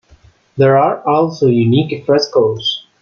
There are also unique Frescos.